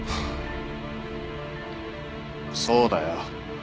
そうだよ。